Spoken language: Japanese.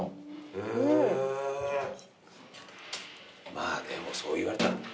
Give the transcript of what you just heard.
まあでもそう言われたら。